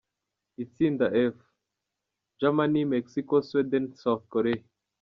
Itsinda F: Germany, Mexico, Sweden, South Korea.